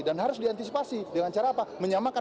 dan harus diantisipasi dengan cara apa